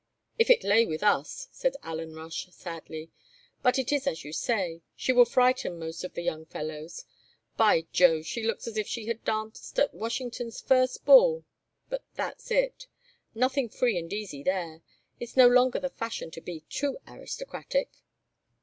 "If it lay with us," said Alan Rush, sadly. "But it is as you say. She will frighten most of the young fellows. By Jove, she looks as if she had danced at Washington's first ball. But that's it. Nothing free and easy, there. It's no longer the fashion to be too aristocratic."